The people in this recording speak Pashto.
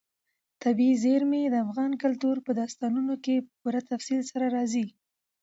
طبیعي زیرمې د افغان کلتور په داستانونو کې په پوره تفصیل سره راځي.